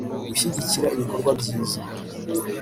gushyigikira ibikorwa byiza